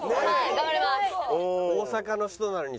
頑張ります。